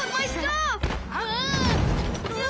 うわ！